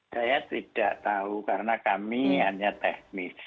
saya tidak tahu karena kami hanya teknis